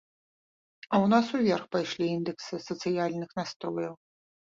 А ў нас уверх пайшлі індэксы сацыяльных настрояў.